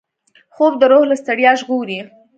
خوب د روح له ستړیا ژغوري